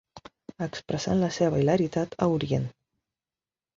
Expressant la seva hilaritat a Orient.